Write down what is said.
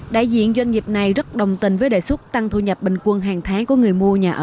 đại diện doanh nghiệp này rất đồng tình với đề xuất tăng thu nhập bình quân hàng tháng của người mua nhà ở